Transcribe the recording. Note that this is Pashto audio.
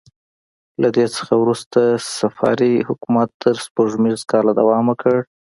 له دې څخه وروسته صفاري حکومت تر سپوږمیز کاله دوام وکړ.